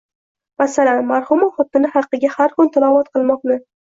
masalan, marhuma xotini haqiga har kun tilovat qilmoqni